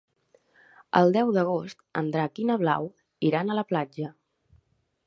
El deu d'agost en Drac i na Blau iran a la platja.